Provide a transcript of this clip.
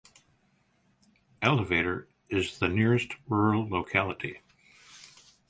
Elevator is the nearest rural locality.